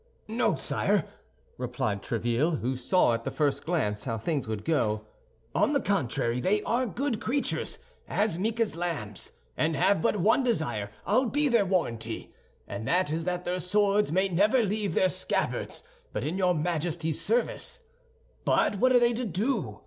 "No, sire," replied Tréville, who saw at the first glance how things would go, "on the contrary, they are good creatures, as meek as lambs, and have but one desire, I'll be their warranty. And that is that their swords may never leave their scabbards but in your majesty's service. But what are they to do?